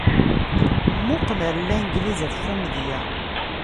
Mmuqqel ɣer Langliz, ɣef umedya.